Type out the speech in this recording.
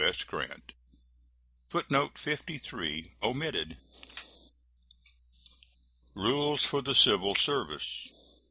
S. GRANT. [Footnote 53: Omitted.] RULES FOR THE CIVIL SERVICE.